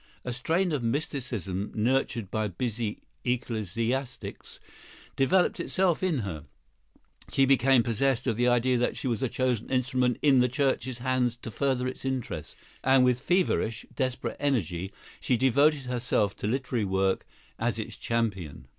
A strain of mysticism, nurtured by busy ecclesiastics, developed itself in her; she became possessed of the idea that she was a chosen instrument in the Church's hands to further its interests; and with feverish, desperate energy she devoted herself to literary work as its champion.